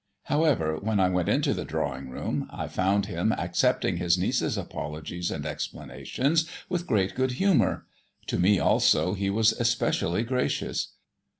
However, when I went into the drawing room, I found him accepting his niece's apologies and explanations with great good humour. To me also he was especially gracious.